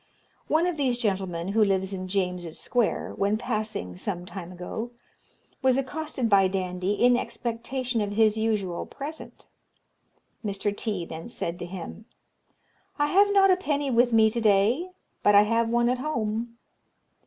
One of these gentlemen, who lives in James's Square, when passing some time ago, was accosted by Dandie, in expectation of his usual present. Mr. T then said to him, 'I have not a penny with me to day, but I have one at home.'